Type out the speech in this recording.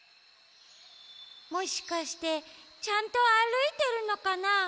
もしかしてちゃんとあるいてるのかな？